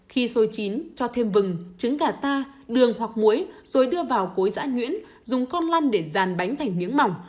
khi xôi chín cho thêm vừng trứng gà ta đường hoặc muối rồi đưa vào cối dã nhuyễn dùng con lăn để ràn bánh thành miếng mỏng